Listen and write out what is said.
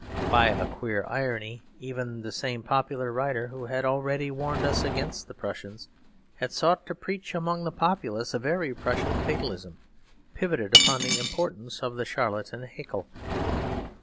By a queer irony, even the same popular writer who had already warned us against the Prussians, had sought to preach among the populace a very Prussian fatalism, pivoted upon the importance of the charlatan Haeckel.